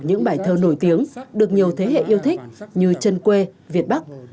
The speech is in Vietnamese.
những bài thơ nổi tiếng được nhiều thế hệ yêu thích như chân quê việt bắc